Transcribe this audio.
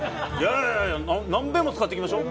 いやいやいや何べんも使っていきましょう。